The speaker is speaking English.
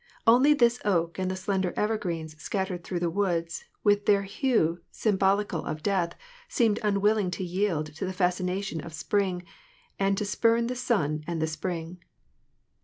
Only this oak and the slender evergreens scattered through the woods, with their hue sym bolical of death, seemed unwilling to yield to the fascination of the spring, and to spurn the sun and the spring.